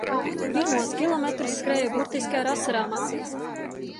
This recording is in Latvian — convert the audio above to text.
Pirmos kilometrus skrēju burtiski ar asarām acīs.